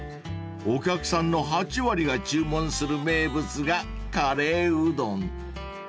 ［お客さんの８割が注文する名物がカレーうどん］